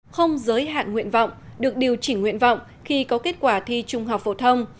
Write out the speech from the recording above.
không giới hạn nguyện vọng được điều chỉnh nguyện vọng khi có kết quả thi trung học phổ thông